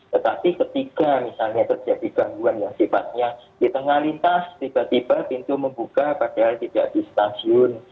tetapi ketika misalnya terjadi gangguan yang sifatnya di tengah lintas tiba tiba pintu membuka padahal tidak di stasiun